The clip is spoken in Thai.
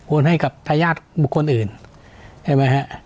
ให้กับทายาทบุคคลอื่นใช่ไหมฮะ